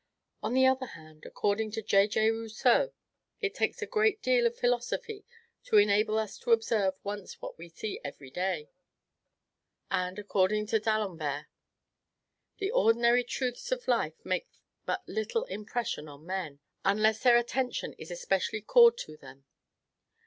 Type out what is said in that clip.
On the other hand, according to J. J. Rousseau, "it takes a great deal of philosophy to enable us to observe once what we see every day;" and, according to d'Alembert, "the ordinary truths of life make but little impression on men, unless their attention is especially called to them."